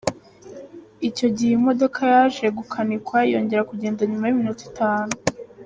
Icyo gihe iyi modoka yaje gukanikwa yongera kugenda nyuma y’iminota itanu.